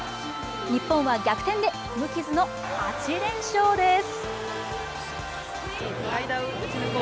日本は逆転で無傷の８連勝です。